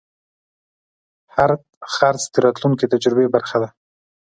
هر خرڅ د راتلونکي تجربې برخه ده.